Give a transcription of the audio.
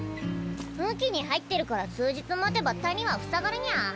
雨期に入ってるから数日待てば谷は塞がるニャ。